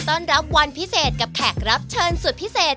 ต้อนรับวันพิเศษกับแขกรับเชิญสุดพิเศษ